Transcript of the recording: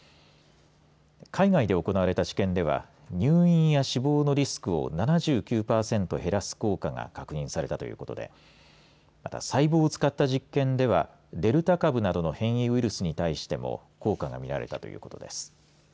海外で行われた治験では入院や死亡のリスクを７９パーセント減らす効果が確認されたということでまた、細胞を使った実験ではデルタ株などの変異ウイルスに対しても効果が見られたということです。